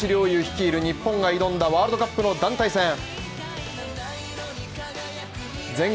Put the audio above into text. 侑率いる日本が挑んだワールドカップの団体戦。